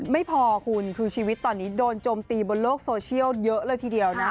ไม่พอคุณคือชีวิตตอนนี้โดนโจมตีบนโลกโซเชียลเยอะเลยทีเดียวนะ